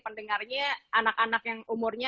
pendengarnya anak anak yang umurnya